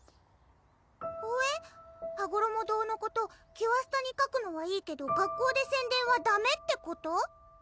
ほえ？はごろも堂のことキュアスタに書くのはいいけど学校で宣伝はダメってこと？